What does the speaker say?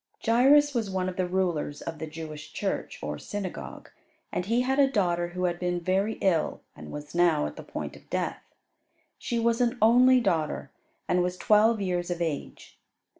Jairus was one of the rulers of the Jewish church, or synagogue, and he had a daughter who had been very ill and was now at the point of death. She was an only daughter, and was twelve years of age.